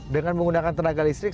dengan menggunakan tenaga listrik